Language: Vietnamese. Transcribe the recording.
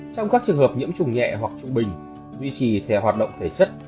trong các trường hợp nhiễm chủng nhẹ hoặc trung bình duy trì thể hoạt động thể chất